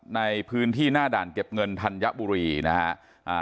ในพื้นที่หน้าด่านเก็บเงินธัญบุรีนะฮะ